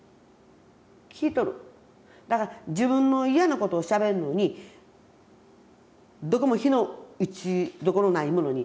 だから自分の嫌なことをしゃべるのにどこも非の打ちどころのない者に話せませんやん。